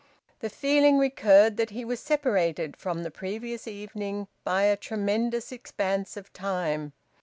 The feeling recurred that he was separated from the previous evening by a tremendous expanse of time.